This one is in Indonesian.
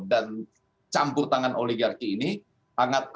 dan campur tangan oligarki ini itu bisa jadi hal yang sangat penting